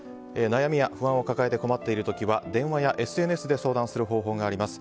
悩みや不安を抱えて困っている時は電話やＳＮＳで相談する方法があります。